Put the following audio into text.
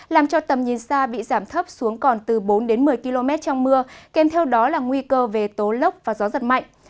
làm cho tầm nhìn xa bị giảm thấp xuống còn từ bốn đến một mươi km trong mưa kèm theo đó là nguy cơ về tố lốc và gió giật mạnh